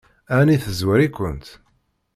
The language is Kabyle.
Ɛni tezwar-ikent?